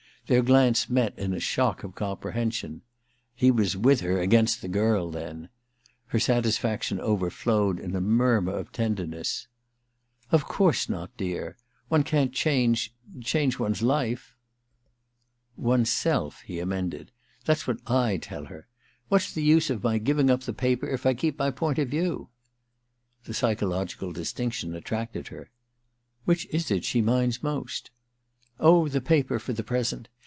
Their glance met in a shock of comprehen^on. He was with her against the girl, then ! Her satisfaction over flowed in a murmur of tenderness. * Of course not, dear. One can't change — change one's life. ...'* One's self,' he emended. * That's what I tell her. What's the use of my giving up the paper if I keep my point of view }' The pychological (Ustinction attracted her. * Which IS it she minds most ?'* Oh, the paper — for the present.